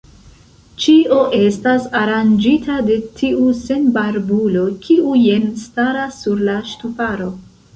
Ĉio estas aranĝita de tiu senbarbulo, kiu jen staras sur la ŝtuparo.